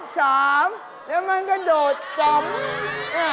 แล้วมันก็โดดจำ